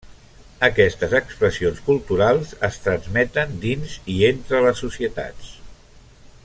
Aquestes expressions culturals es transmeten dins i entre les societats.